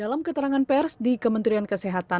dalam keterangan pers di kementerian kesehatan